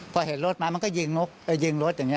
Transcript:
พอเห็นรถมามันก็ยิงนกไปยิงรถอย่างนี้